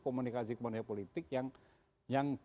komunikasi komunikasi politik yang